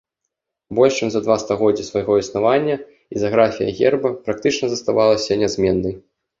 Больш чым за два стагоддзі свайго існавання ізаграфія герба практычна заставалася нязменнай.